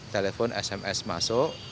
telepon sms masuk